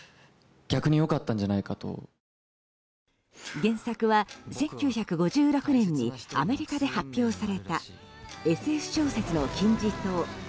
原作は１９５６年にアメリカで発表されたＳＦ小説の金字塔。